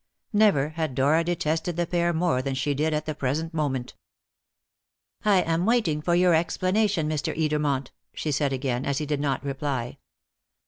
Never had Dora detested the pair more than she did at the present moment. "I am waiting for your explanation, Mr. Edermont," she said again, as he did not reply.